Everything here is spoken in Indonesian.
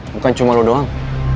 bukan cuma lo doang